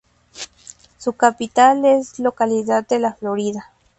Su capital es la localidad de "La Florida".